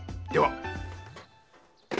では。